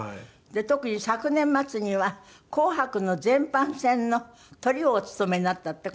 特に昨年末には『紅白』の前半戦のトリをお務めになったって？